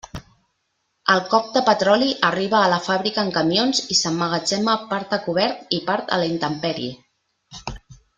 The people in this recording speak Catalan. El coc de petroli arriba a la fàbrica en camions i s'emmagatzema part a cobert i part a la intempèrie.